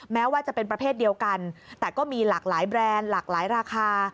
แม้ว่าจะเป็นประเภทเดียวกันแต่ก็มีหลากหลายแบรนด์หลากหลายราคา